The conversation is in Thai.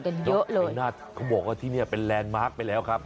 ส้มฉุนกันเยอะเลยเขาบอกว่าที่นี่เป็นแลนด์มาร์คไปแล้วครับ